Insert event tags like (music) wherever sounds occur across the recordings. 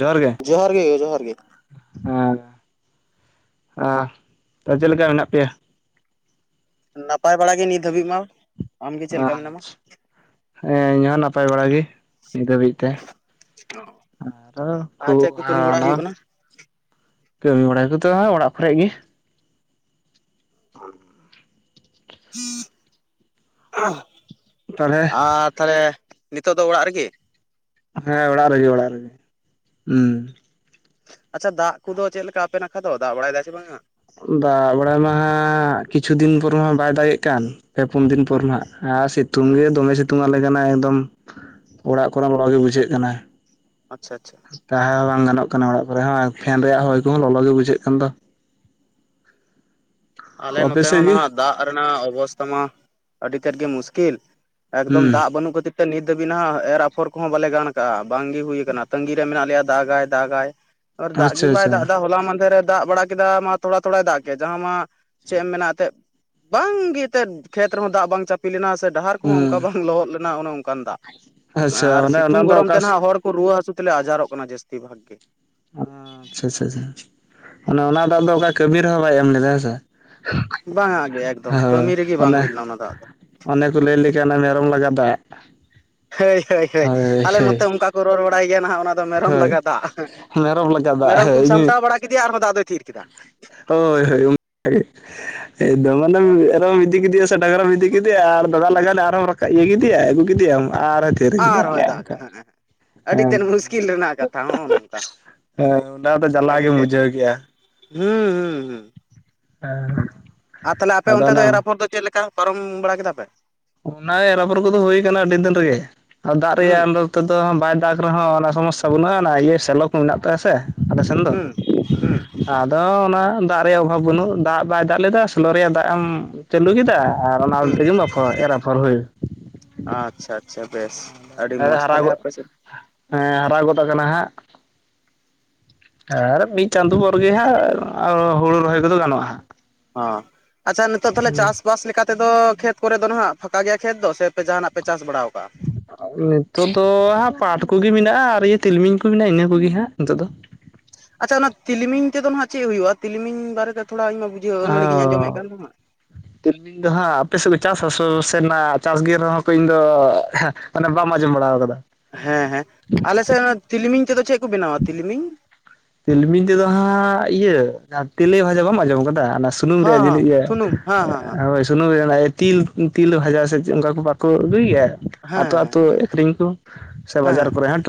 ᱡᱚᱦᱟᱨ ᱜᱮ ᱜᱮ ᱡᱚᱦᱟᱨ ᱜᱮ ᱦᱮᱸ ᱟ ᱪᱮᱫᱞᱮᱠᱟ ᱢᱮᱱᱟᱜ ᱯᱮᱭᱟ? ᱱᱟᱯᱟᱭ ᱵᱟᱲᱟ ᱜᱮ ᱱᱤᱛ ᱫᱷᱟᱹᱵᱤᱡ ᱢᱟ ᱟᱢᱜᱮ ᱪᱮᱫ ᱞᱮᱠᱟ ᱢᱮᱱᱟᱢᱟ ᱟᱪᱷᱟ ᱦᱮᱸ ᱤᱧᱦᱚ ᱱᱟᱯᱟᱭ ᱵᱟᱲᱟ ᱜᱮ ᱱᱤᱛ ᱦᱟᱹᱵᱤᱡ ᱛᱮ ᱟᱨ ᱪᱮᱫ ᱠᱚ ᱠᱟᱹᱢᱤ ᱵᱟᱲᱟ ᱦᱩᱭᱩᱜ ᱠᱟᱱᱟ (unintelligible) ᱠᱟᱹᱢᱤ ᱵᱟᱲᱟᱭ ᱠᱩ ᱛᱚ ᱦᱟᱸᱜ ᱚᱲᱟᱜ ᱠᱚᱨᱮ ᱜᱮ (unintelligible) (unintelligible) ᱛᱟᱦᱚᱞᱮ ᱟᱨ ᱛᱟᱞᱮ ᱱᱤᱛᱚᱜ ᱫᱚ ᱚᱲᱟᱜ ᱨᱮᱜᱮ? ᱦᱮᱸ ᱚᱲᱟᱜ ᱨᱮᱜᱮ ᱚᱲᱟᱜ ᱨᱮᱜᱮ ᱦᱮᱸ ᱩ ᱟᱪᱪᱷᱟ ᱫᱟᱜ ᱠᱚᱫᱚ ᱪᱮᱫ ᱞᱮᱠᱟ ᱟᱯᱮ ᱱᱟᱠᱷᱟ ᱫᱚ ᱫᱟᱜ ᱵᱟᱲᱟᱭ ᱫᱟᱭ ᱥᱮ ᱵᱟᱝᱟ? ᱫᱟᱜ ᱵᱟᱲᱟᱭ ᱢᱟ ᱦᱟᱜ ᱠᱤᱪᱷᱩ ᱫᱤᱱ ᱯᱚᱨ ᱢᱟ ᱵᱟᱭ ᱫᱟᱜᱮᱜ ᱠᱟᱱ ᱯᱮ ᱯᱩᱱ ᱫᱤᱱ ᱯᱚᱨ ᱦᱮᱸ ᱱᱟᱜ ᱟᱨ ᱥᱤᱛᱩᱝ ᱦᱮᱸ ᱜᱮ ᱫᱚᱢᱮ ᱥᱤᱛᱩᱝ ᱥᱤᱛᱩᱝ ᱟᱞᱮ ᱠᱟᱱᱟᱭ ᱮᱠᱫᱚᱢ ᱚᱲᱟᱜ ᱠᱚᱨᱮ ᱞᱚᱞᱚ ᱜᱮ ᱵᱩᱡᱷᱟᱹᱜ ᱠᱟᱱᱟ ᱟᱪᱪᱷᱟ ᱟᱪᱪᱷᱟ ᱛᱟᱦᱮᱸ ᱦᱚᱸ ᱵᱟᱝ ᱜᱟᱱᱚᱜ ᱠᱟᱱᱟ ᱚᱲᱟᱜ ᱠᱚᱨᱮ ᱦᱚᱸ ᱯᱷᱮᱱ ᱨᱮᱭᱟᱜ ᱦᱚᱭ ᱠᱚᱦᱚᱸ ᱞᱚᱞᱚ ᱜᱮ ᱵᱩᱡᱷᱟᱹᱜ ᱠᱟᱱᱟ। ᱟᱢᱫᱚ ᱟᱞᱮ ᱟᱯᱮ ᱱᱚᱛᱮ ᱥᱮᱫ ᱦᱚᱸ ᱜᱮ ᱱᱟᱦᱟᱜ ᱫᱟᱜ ᱨᱮᱱᱟᱜ ᱚᱵᱚᱥᱛᱷᱟ ᱢᱟ ᱟᱹᱰᱤ ᱛᱮᱫᱜ ᱜᱮ ᱢᱩᱥᱠᱤᱞ ᱮᱠᱫᱚᱢ ᱦᱩᱸ ᱫᱟᱜ ᱵᱟᱹᱱᱩᱜ ᱠᱷᱟᱹᱛᱤᱨ ᱛᱮ ᱱᱤᱛ ᱫᱷᱟᱹᱵᱤᱡ ᱱᱟᱦᱟᱜ ᱮᱨ ᱟᱯᱷᱚᱨ ᱠᱚᱦᱚᱸ ᱵᱟᱞᱮ ᱜᱟᱱ ᱠᱟᱜᱼᱟ। ᱵᱟᱝᱜᱮ ᱦᱩᱭ ᱠᱟᱱᱟ ᱛᱟᱸᱜᱤ ᱨᱮ ᱢᱮᱱᱟᱜ ᱞᱮᱭᱟ ᱫᱟᱜᱟᱭ ᱫᱟᱜᱟᱭ ᱟᱨ ᱫᱟᱜ ᱜᱮ ᱟᱪᱪᱷᱟ ᱵᱟᱭ ᱟᱪᱪᱷᱟ ᱫᱟᱜ ᱫᱟ ᱦᱚᱞᱟ ᱢᱟᱱᱫᱷᱮ ᱨᱮ ᱫᱟᱜ ᱵᱟᱲᱟ ᱠᱮᱫᱟ ᱢᱟ ᱛᱷᱚᱲᱟ ᱛᱷᱚᱲᱟᱭ ᱫᱟᱜ ᱠᱮᱫ ᱡᱟᱦᱟᱸ ᱢᱟ ᱪᱮᱫ ᱮᱢ ᱢᱮᱱᱟ ᱮᱛᱮᱫ ᱵᱟᱝᱜᱮ ᱮᱛᱮᱫ ᱠᱷᱮᱛ ᱨᱮᱦᱚᱸ ᱫᱟᱜ ᱵᱟᱝ ᱪᱟᱯᱤ ᱞᱮᱱᱟ ᱥᱮ ᱰᱟᱦᱟᱨ ᱠᱚᱦᱚᱸ ᱦᱩᱸ ᱚᱱᱠᱟ ᱵᱟᱝ ᱞᱚᱦᱚᱫ ᱞᱮᱱᱟ ᱚᱱᱮ ᱚᱱᱠᱟᱱ ᱫᱟᱜ ᱟᱪᱪᱷᱟ ᱟᱨ ᱢᱟᱱᱮ ᱚᱱᱟ ᱥᱤᱛᱩᱝ ᱫᱚ ᱜᱚᱨᱚᱢ ᱚᱠᱟ ᱛᱮ ᱟᱪᱪᱷᱟ ᱱᱟᱦᱟᱜ ᱦᱚᱲ ᱠᱚ ᱨᱩᱣᱟᱹ ᱦᱟᱹᱥᱩ ᱞᱮ ᱟᱡᱟᱨᱚᱜ ᱠᱟᱱᱟ ᱡᱟᱹᱥᱛᱤ ᱵᱷᱟᱜ ᱜᱮ ᱟᱪ ᱪᱷᱟᱼᱪᱷᱟ ᱚᱱᱟ ᱫᱟᱜ ᱫᱚ ᱚᱠᱟ ᱠᱟᱹᱢᱤ ᱨᱮᱦᱚᱸ ᱵᱟᱭ ᱮᱢ ᱞᱮᱫᱟ ᱦᱮᱸ ᱥᱮ ᱵᱟᱝᱟᱜ ᱜᱮ ᱮᱠᱫᱚᱢ ᱦᱳᱭ ᱠᱟᱹᱢᱤ ᱨᱮᱜᱮ ᱵᱟᱝ ᱚᱱᱮ ᱦᱩᱭ ᱞᱮᱱᱟ ᱚᱱᱟ ᱫᱟᱜ ᱫᱚ ᱚᱱᱮ ᱠᱚ ᱞᱟᱹᱭ ᱞᱮ ᱡᱮ ᱚᱱᱮ ᱢᱮᱨᱚᱢ ᱞᱟᱜᱟ ᱫᱟᱜ ᱦᱳᱭ ᱦᱳᱭ ᱦᱳᱭ ᱟᱞᱮ ᱱᱚᱛᱮ ᱚᱱᱠᱟ ᱠᱚ ᱨᱚᱲ ᱵᱟᱲᱟᱭ ᱜᱮᱭᱟ ᱱᱟᱦᱟᱜ ᱚᱱᱟ ᱫᱚ ᱢᱮᱨᱚᱢ ᱦᱳᱭ ᱞᱟᱜᱟ ᱫᱟᱜ ᱢᱮᱨᱚᱢ ᱞᱟᱜᱟ ᱫᱟᱜ ᱢᱮᱨᱚᱢ ᱠᱚᱢ ᱦᱳᱭ ᱥᱟᱢᱴᱟᱣ ᱵᱟᱲᱟ ᱠᱮᱫᱮᱭᱟ ᱟᱨ ᱦᱚᱸ ᱫᱟᱜ ᱫᱚᱭ ᱛᱷᱤᱨ ᱠᱮᱫᱟ ᱦᱳᱭ ᱦᱳᱭ ᱚᱱᱠᱟᱜᱤ ᱮᱫᱚᱢ ᱢᱟᱱᱮ ᱢᱮᱨᱚᱢ ᱤᱫᱤ ᱠᱮᱫᱮᱭᱟ ᱥᱮ ᱰᱟᱝᱨᱟᱢ ᱤᱫᱤ ᱠᱮᱫᱮᱭᱟ ᱟ ᱟᱨ ᱫᱟᱫᱟ ᱞᱟᱜᱮ ᱟᱨᱦᱚᱸ ᱤᱭᱟᱹ ᱠᱮᱫᱮᱭᱟ ᱟᱹᱜᱩ ᱠᱮᱫᱮᱭᱟᱢ ᱟᱨᱦᱭ ᱛᱷᱤᱨ ᱠᱮᱫᱟ ᱟᱨᱦᱚᱸᱭ ᱫᱟᱜ ᱚᱱᱠᱟ ᱦᱮᱸ ᱦᱮᱸ ᱟᱹᱰᱤ ᱦᱮᱸ ᱛᱮᱫ ᱢᱩᱥᱠᱤᱞ ᱨᱮᱱᱟᱜ ᱠᱟᱛᱷᱟ ᱦᱚᱸᱜᱼᱚ ᱱᱚᱝᱠᱟ ᱦᱮᱸ ᱚᱱᱟ ᱫᱚ ᱡᱟᱞᱟ ᱟᱹᱰᱤ ᱜᱮᱢ ᱛᱮᱫ ᱵᱩᱡᱷᱟᱹᱣ ᱜᱮᱭᱟ ᱦᱩᱸ ᱦᱩᱸ ᱦᱩᱸ ᱦᱮᱸ ᱟᱨ ᱛᱷᱟᱞᱮ ᱟᱯᱮ ᱟᱫᱚ ᱚᱱᱛᱮ ᱫᱚ ᱮᱨ ᱚᱱᱮ ᱟᱯᱷᱚᱨ ᱫᱚ ᱪᱮᱫ ᱞᱮᱠᱟ ᱯᱟᱨᱚᱢ ᱵᱟᱲᱟ ᱠᱮᱫᱟ ᱯᱮ? ᱚᱱᱟ ᱮᱨ ᱟᱯᱚᱨ ᱠᱚᱫᱚ ᱦᱩᱭ ᱠᱟᱱᱟ ᱟᱹᱰᱤ ᱫᱤᱱ ᱨᱮᱜᱮ ᱟᱨ ᱫᱟᱜ ᱦᱩᱸ ᱨᱮᱭᱟᱜ ᱱᱚᱛᱮᱫᱚ ᱵᱟᱭ ᱫᱟᱜ ᱨᱮᱦᱚᱸ ᱚᱱᱟ ᱥᱚᱢᱚᱥᱟ ᱵᱟᱹᱱᱩᱜᱼᱟ ᱤᱭᱟᱹ ᱥᱮᱞᱳ ᱠᱚ ᱢᱮᱱᱟᱜ ᱛᱟᱭᱟ ᱥᱮ ᱟᱞᱮ ᱥᱮᱱ ᱫᱚ ᱦᱩᱸ ᱦᱩᱸ ᱟᱫᱚ ᱚᱱᱟ ᱫᱟᱜ ᱨᱮᱭᱟᱜ ᱚᱵᱷᱟᱵ ᱵᱟᱹᱱᱩᱜ ᱫᱟᱜ ᱵᱟᱭ ᱫᱟᱜ ᱞᱮᱫᱟ ᱥᱚᱞᱳ ᱨᱮᱭᱟᱜ ᱫᱟᱜ ᱮᱢ ᱪᱟᱹᱞᱩ ᱠᱮᱫᱟ ᱟᱨ ᱚᱱᱟ ᱦᱩᱸ ᱛᱮᱜᱮᱢ ᱟᱯ ᱦᱚᱭ ᱮᱨ ᱟᱯᱷᱚᱨ ᱦᱩᱭ ᱟᱪᱪᱷᱟ ᱟᱪᱪᱷᱟ ᱵᱮᱥ ᱟᱹᱰᱤ ᱢᱚᱸᱡᱽ ᱦᱟᱨᱟ ᱛᱟᱦᱚᱞᱮ ᱜᱚᱫ ᱟᱯᱮ ᱥᱮᱫ ᱦᱮᱸ ᱦᱟᱨᱟ ᱜᱚᱫ ᱟᱠᱟᱱᱟ ᱦᱟᱸᱜ ᱟᱨ ᱢᱤᱫ ᱪᱟᱸᱫᱳ ᱯᱚᱨ ᱜᱮ ᱦᱟᱸᱜ ᱦᱩᱲᱩ ᱨᱚᱦᱚᱭ ᱠᱚᱫᱚ ᱜᱟᱱᱚᱜᱼᱟ ᱦᱟᱸᱜ ᱦᱚᱸ ᱟᱪᱪᱷᱟ ᱱᱤᱛᱚᱜ ᱛᱟᱦᱚᱞᱮ ᱪᱟᱥ-ᱵᱟᱥ ᱞᱮᱠᱟᱛᱮᱫᱚ ᱠᱷᱮᱛ ᱠᱚᱨᱮ ᱫᱚ ᱱᱟᱦᱟᱜ ᱯᱷᱟᱸᱠᱟ ᱜᱮᱭᱟ ᱠᱷᱮᱛ ᱫᱚ ᱥᱮ ᱡᱟᱦᱟᱸᱱᱟᱜ ᱯᱮ ᱪᱟᱥ ᱵᱟᱲᱟᱣ ᱠᱟᱜᱼᱟ ᱱᱤᱛᱳᱜ ᱫᱚ ᱦᱟᱸ ᱯᱟᱴ ᱠᱚᱜᱮ ᱢᱮᱱᱟᱜᱼᱟ ᱟᱨ ᱛᱤᱞᱢᱤᱧ ᱠᱚ ᱢᱮᱱᱟᱜᱼᱟ ᱤᱱᱟᱹ ᱠᱚᱜᱮ ᱦᱟᱸᱜ ᱱᱤᱛᱚᱜ ᱫᱚ ᱟᱪᱪᱷᱟ ᱚᱱᱟ ᱛᱤᱞᱢᱤᱧ ᱛᱮᱫᱚ ᱦᱟᱸᱜ ᱪᱮᱫ ᱦᱩᱭᱩᱜᱼᱟ ᱛᱤᱞᱢᱤᱧ ᱵᱟᱨᱮᱛᱮ ᱛᱷᱚᱲᱟ ᱤᱧᱢᱟ ᱵᱩᱡᱷᱟᱹᱣ ᱟᱹᱱᱟᱹᱲᱤ ᱜᱤᱧ ᱟᱸᱡᱚᱢᱮᱫ ᱚ ᱠᱟᱱ ᱛᱟᱢᱟ ᱛᱤᱞᱢᱤᱧ ᱫᱚ ᱦᱟᱸᱜ ᱟᱯᱮ ᱥᱮᱫ ᱠᱚ ᱪᱟᱥ ᱥᱟᱥᱩ ᱥᱮᱱᱟᱜ ᱪᱟᱥ ᱜᱮ ᱨᱮᱦᱚᱸ ᱠᱚ ᱤᱧ ᱫᱚ ᱢᱟᱱᱮ ᱵᱟᱢ ᱟᱸᱡᱚᱢ ᱵᱟᱲᱟ ᱟᱠᱟᱫᱟ ᱦᱮᱸ ᱦᱮᱸ ᱟᱞᱮ ᱥᱮᱫ ᱛᱤᱞᱢᱤᱧ ᱛᱮᱫᱚ ᱪᱮᱫ ᱠᱚ ᱵᱮᱱᱟᱣᱟ ᱛᱤᱞᱢᱤᱧ ᱛᱤᱞᱢᱤᱧ ᱛᱮᱫᱚ ᱦᱟᱸᱜ ᱤᱭᱟᱹ ᱡᱟᱦᱟᱸ ᱛᱮᱞᱮ ᱵᱷᱟᱡᱟ ᱵᱟᱢ ᱟᱸᱡᱚᱢ ᱠᱟᱫᱟ ᱚᱱᱟ ᱥᱩᱱᱩᱢ ᱦᱚᱸ ᱨᱮᱭᱟᱜ ᱦᱚᱸ ᱡᱤᱱᱤ ᱤᱭᱟᱹ ᱥᱩᱱᱩᱢ ᱦᱮᱸ ᱦᱮᱸ ᱦᱳᱭ ᱥᱩᱱᱩᱢ ᱨᱮᱭᱟᱜ ᱛᱤᱞ ᱛᱤᱞ ᱵᱷᱟᱡᱟ ᱥᱮ ᱚᱱᱠᱟ ᱠᱚ ᱵᱟᱠᱚ ᱟᱹᱜᱩᱭ ᱜᱮᱭᱟ ᱟᱛᱳ ᱦᱮᱸ ᱦᱮᱸ ᱦᱮᱸ ᱟᱛᱳ ᱟᱠᱷᱨᱤᱧ ᱠᱚ ᱥᱮ ᱦᱮᱸ ᱵᱟᱡᱟᱨ ᱠᱚᱨᱮ ᱦᱚᱸ